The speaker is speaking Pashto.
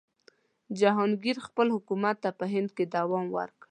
جهانګیر خپل حکومت ته په هند کې دوام ورکړ.